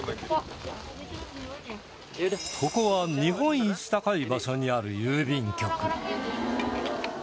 ここは日本一高い場所にある郵便局